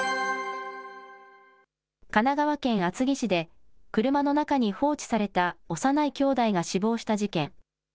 神奈川県厚木市で車の中に放置された幼いきょうだいが死亡した事件。